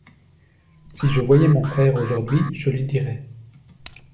Si je voyais mon frère aujourd’hui, je lui dirais.